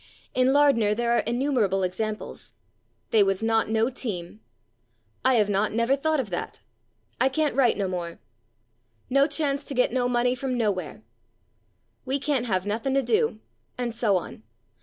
In Lardner there are innumerable examples: "they was /not/ no team," "I have /not/ never thought of that," "I can't write /no/ more," "no chance to get /no/ money from /nowhere/," "we /can't/ have nothing to do," and so on.